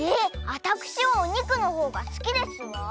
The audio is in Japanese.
あたくしはおにくのほうがすきですわ。